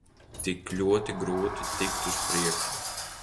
Tik ļoti grūti tikt uz priekšu.